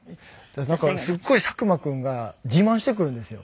なんかすごい佐久間君が自慢してくるんですよ。